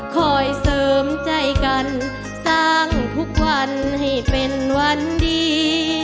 คอยเสริมใจกันสร้างทุกวันให้เป็นวันดี